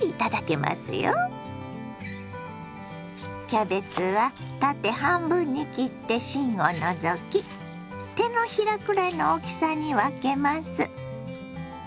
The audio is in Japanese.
キャベツは縦半分に切って芯を除き手のひらくらいの大きさに分けます。